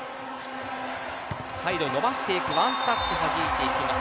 再度伸ばしていくワンタッチはじいています。